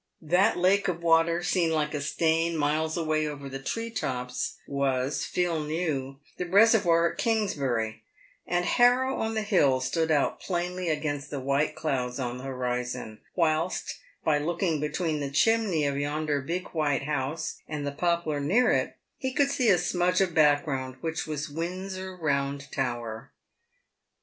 That lake of water seen like a stain miles away over the tree tops, was, Phil knew, the Eeservoir at Kingsbury, and Harrow on the Hill stood out plainly against the white clouds on the horizon, whilst, by looking between the chimney of yonder big white house and the poplar near it, he could see a smudge of background which was Windsor Round tower.